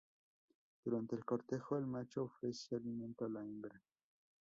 Durante el cortejo el macho ofrece alimento a la hembra.